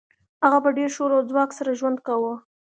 هغه په ډیر شور او ځواک سره ژوند کاوه